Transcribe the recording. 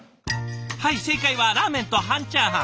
はい正解はラーメンと半チャーハン。